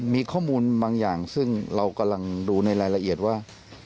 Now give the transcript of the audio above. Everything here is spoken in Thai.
มีข้อมูลบางอย่างซึ่งเรากำลังดูในรายละเอียดว่า